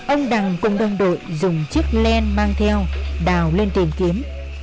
ông đằng cùng đồng đội dùng chiếc len mang theo đào lên tìm kiếm